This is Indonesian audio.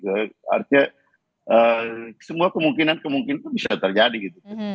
artinya semua kemungkinan kemungkinan itu bisa terjadi gitu